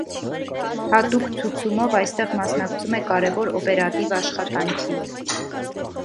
Հատուկ ցուցումով այստեղ մասնակցում է կարևոր օպերատիվ աշխատանքի։